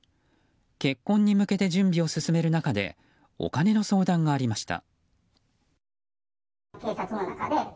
結婚に向けて準備を進める中でお金の相談がありました。